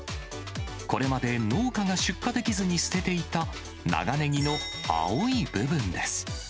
これまで農家が出荷できずに捨てていた、長ねぎの青い部分です。